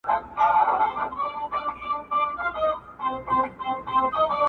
o مړ مه سې، د بل ژوند د باب وخت ته.